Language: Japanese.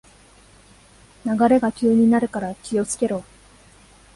流れが急になるから気をつけろ